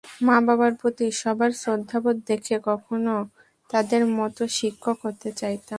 মা-বাবার প্রতি সবার শ্রদ্ধাবোধ দেখে কখনো তাঁদের মতো শিক্ষক হতে চাইতাম।